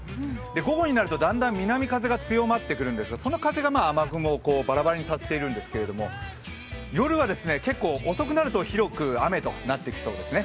午後になるとだんだん南風が強まってくるんですがその風が雨雲をバラバラにさせてるんですけど夜は結構遅くなると広く雨となってきそうですね。